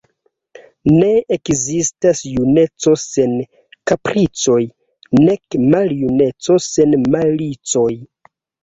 Ne ekzistas juneco sen kapricoj, nek maljuneco sen malicoj.